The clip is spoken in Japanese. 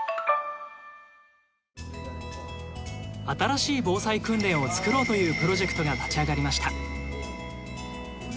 新しい防災訓練を作ろうというプロジェクトが立ち上がりました。